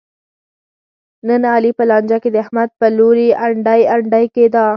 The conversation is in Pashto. نن علي په لانجه کې د احمد په لوري انډی انډی کېدا.